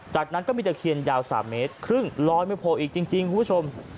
จากนั้นก็มีตะเคียนยาว๓เมตรครึ่งร้อยไม่โผล่อีกจริงคุณผู้ชม